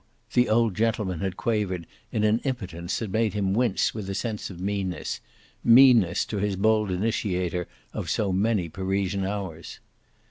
the old gentleman had quavered in an impotence that made him wince with a sense of meanness meanness to his bold initiator of so many Parisian hours.